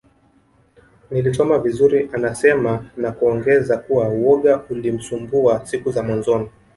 Nilisoma vizuri anasema na kuongeza kuwa woga ulimsumbua siku za mwanzoni